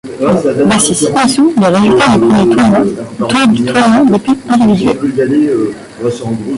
Voici ci-dessous les résultats du premier tour du tournoi d'épée individuelle.